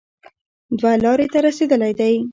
دوه لارې ته رسېدلی دی